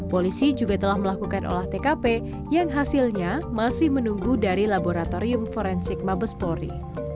polisi juga telah melakukan olah tkp yang hasilnya masih menunggu dari laboratorium forensik mabespori